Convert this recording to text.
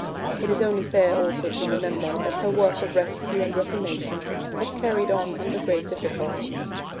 It is only fair also to remember that her work of rescue and reformation was carried on under great difficulties.